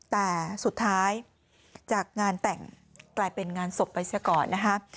แต่สุดท้ายจากงานแต่งกลายเป็นงานศพไปเสียก่อนนะคะ